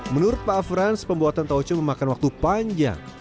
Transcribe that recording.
menurut pak afrans pembuatan tauco memakan waktu panjang